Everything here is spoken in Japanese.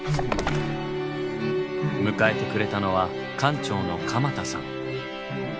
迎えてくれたのは館長の鎌田さん。